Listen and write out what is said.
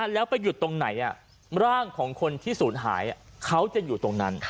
แล้วไปหยุดตรงไหนร่างของคนที่ศูนย์หายเขาจะอยู่ตรงนั้น